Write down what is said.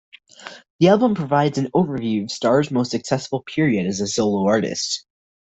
The album provides an overview of Starr's most successful period as a solo artist.